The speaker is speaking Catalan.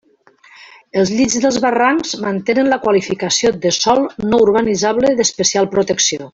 Els llits dels barrancs mantenen la qualificació de sòl no urbanitzable d'especial protecció.